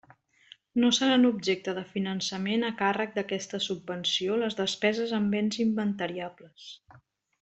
No seran objecte de finançament a càrrec d'aquesta subvenció les despeses en béns inventariables.